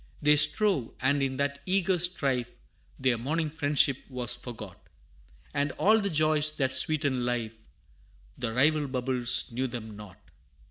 They strove, and in that eager strife Their morning friendship was forgot, And all the joys that sweeten life, The rival bubbles knew them not.